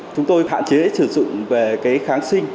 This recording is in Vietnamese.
chúng tôi hạn chế sử dụng về kháng sinh